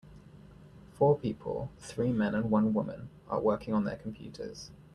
Four people, three men and one woman, are working on their computers.